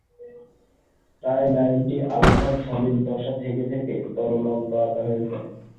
টাই লাইনটি alpha solid দশা থেকে থেকে তরল পর্যন্ত আঁকা হয়েছে।